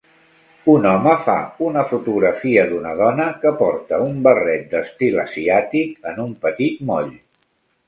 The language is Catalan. Un home fa una fotografia d'una dona que porta un barret d'estil asiàtic en un petit moll.